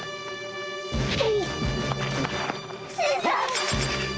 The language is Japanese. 新さん！